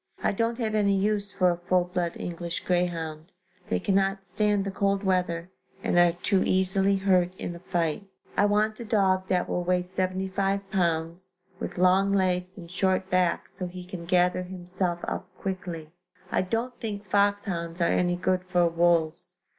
I don't have any use for a full blood English greyhound they cannot stand the cold weather and are too easily hurt in a fight. I want a dog that will weigh 75 pounds, with long legs and short back so he can gather himself up quickly. I don't think foxhounds are any good for wolves.